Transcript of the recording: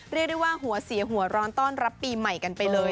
เรียกได้ว่าหัวเสียหัวร้อนต้อนรับปีใหม่กันไปเลย